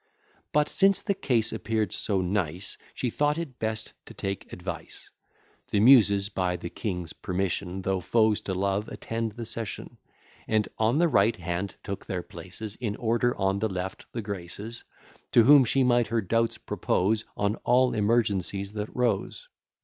But since the case appear'd so nice, She thought it best to take advice. The Muses, by the king's permission, Though foes to love, attend the session, And on the right hand took their places In order; on the left, the Graces: To whom she might her doubts propose On all emergencies that rose.